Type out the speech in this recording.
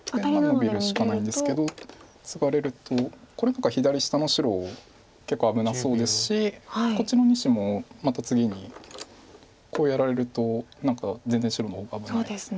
ノビるしかないんですけどツガれるとこれ左下の白結構危なそうですしこっちの２子もまた次にこうやられると何か全然白の方が危ないです。